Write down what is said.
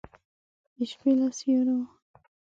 د شپې له سیورو